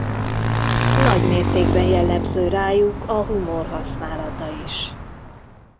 Nagy mértékben jellemző rájuk a humor használata is.